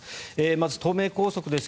まず、東名高速です。